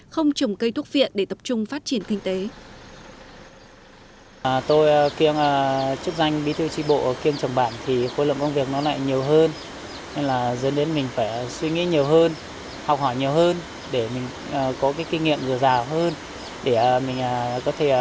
không trồng cây thuốc viện để tập trung phát triển kinh tế